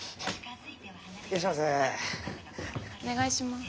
お願いします。